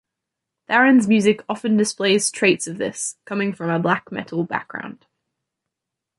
Tharen's music often displays traits of this, coming from a black metal background.